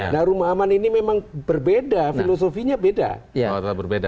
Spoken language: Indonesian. nah rumah aman ini memang berbeda filosofinya beda